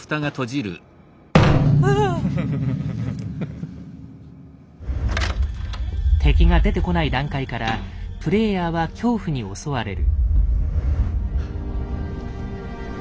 あぁっ！敵が出てこない段階からプレイヤーは恐怖に襲われる。